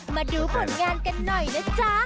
มาดูผลงานกันหน่อยนะจ๊ะ